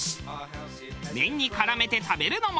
麺に絡めて食べるのもよし。